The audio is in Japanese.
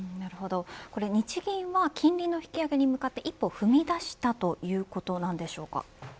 日銀は金利の引き上げに向かって一歩踏み出したということなんでしょうか。